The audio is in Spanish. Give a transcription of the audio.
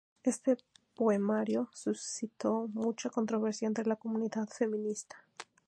Este poemario suscitó mucha controversia entre la comunidad feminista.